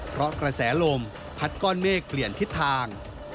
เพราะกระแสลมพัดก้อนเมฆเปลี่ยนทิศทาง